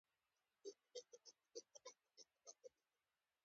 دوی په کندهار کې ښه آزادي لري.